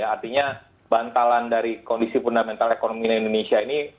artinya bantalan dari kondisi fundamental ekonomi di indonesia ini